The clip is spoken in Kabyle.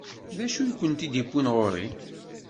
D acu i kent-id-iwwin ɣur-i?